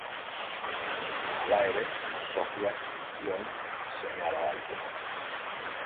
Hala ere Sofiak ez zion seme-alabarik eman.